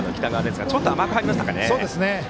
ただ、ちょっと甘く入りましたかね。